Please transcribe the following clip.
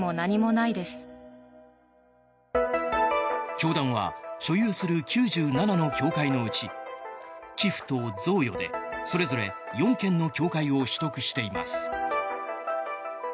教団は所有する９７の教会のうち寄付と贈与でそれぞれ４件の教会を取得しています。